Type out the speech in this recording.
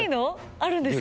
あるんですか？